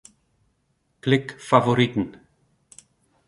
Klik Favoriten.